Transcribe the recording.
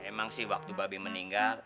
emang sih waktu babi meninggal